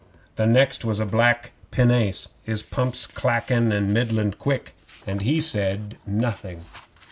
The next was a black pinnace, his pumps clackin' middling quick, and he said nothing.